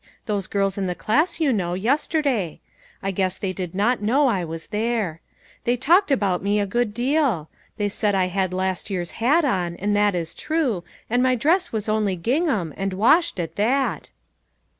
those girls in the class, you know, yesterday. I guess they did not know I was there. They talked about me a good deal. They said I had a last year's hat on, and that is true, and my dress was only gingham, and washed at that."